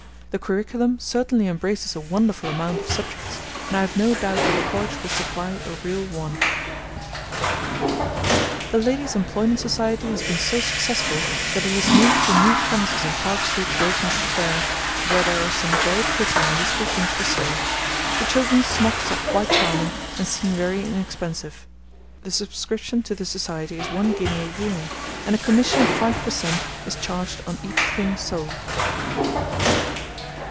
The curriculum certainly embraces a wonderful amount of subjects, and I have no doubt that the College will supply a real want. The Ladies' Employment Society has been so successful that it has moved to new premises in Park Street, Grosvenor Square, where there are some very pretty and useful things for sale. The children's smocks are quite charming, and seem very inexpensive. The subscription to the Society is one guinea a year, and a commission of five per cent. is charged on each thing sold.